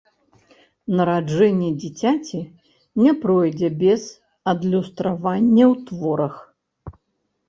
Нараджэнне дзіцяці не пройдзе без адлюстравання ў творах.